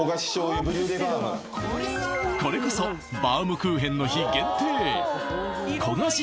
これこそバウムクーヘンの日限定焦がし